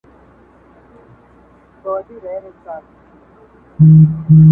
ژورنالیزم د حقیقت هنر دی